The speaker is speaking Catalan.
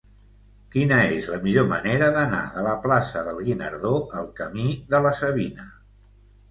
Quina és la millor manera d'anar de la plaça del Guinardó al camí de la Savina?